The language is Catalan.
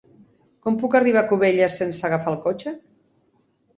Com puc arribar a Cubelles sense agafar el cotxe?